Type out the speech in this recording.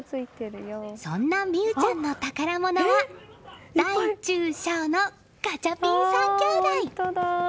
そんな海羽ちゃんの宝物は大中小のガチャピン３兄弟！